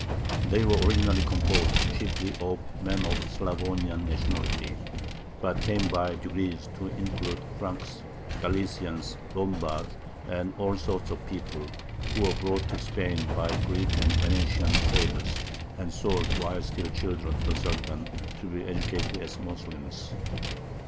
They were originally composed chiefly of men of Slavonian nationality, but came by degrees to include Franks, Galicians, Lombards, and all sorts of people, who were brought to Spain by Greek and Venetian traders, and sold while still children to the Sultan, to be educated as Moslems.